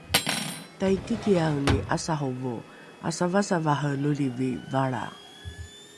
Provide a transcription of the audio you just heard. taikikiaeni ’asarovo asavasavare lolivi valra